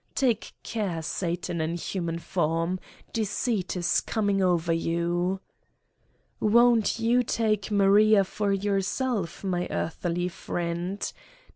Take care, Satan in human form, Deceit is coming over You! Won't you take Maria for yourself, my earthly friend?